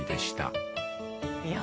いや。